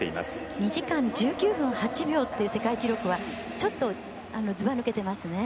２時間１９分８秒という世界記録はちょっと、ずばぬけていますね。